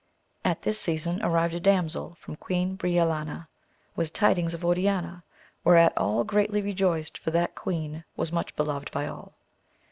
At this season arrived a damsel from Queen Brio lania with tidings to Oriana, whereat all greatly re joiced for that queen was much beloved by all.